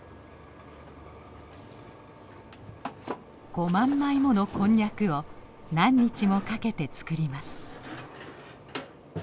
５万枚ものこんにゃくを何日もかけて作ります。